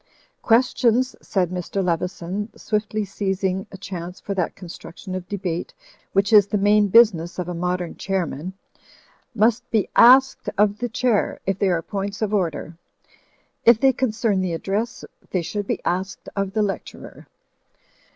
"Questions," said Mr. Leveson, swiftly seizing a chance for that construction of debate which is the main business of a modem chairman, "must be asked 88 THE FLYING INN of'the chair, if they are points of order. If they con cern the address, they should be asked of the lecturer."